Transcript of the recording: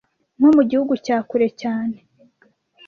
Nko mu gihugu cya kure cyane,